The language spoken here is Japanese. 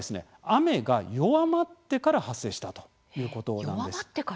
雨が弱まってから発生したということなんです。